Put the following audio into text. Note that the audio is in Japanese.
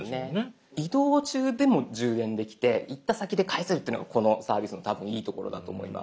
移動中でも充電できて行った先で返せるっていうのがこのサービスの多分いいところだと思います。